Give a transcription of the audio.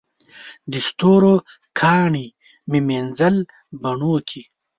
د ستورو کاڼي مې مینځل بڼوکي